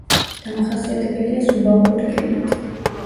დამახასიათებელია სუბალპური კლიმატი.